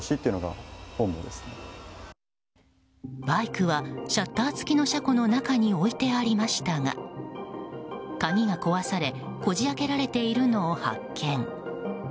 バイクはシャッター付の車庫の中に置いてありましたが鍵が壊されこじ開けられているのを発見。